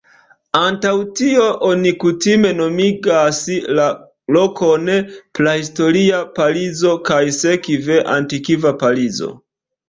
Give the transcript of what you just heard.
Antaŭ tio, oni kutime nomigas la lokon "Prahistoria Parizo", kaj sekve "Antikva Parizo".